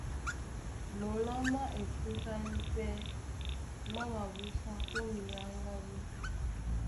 Múla má etrúkáŋ pɛ́ má mabúsá ó minyáŋgádú.